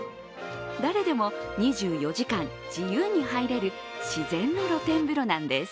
誰でも２４時間、自由に入れる自然の露天風呂なんです。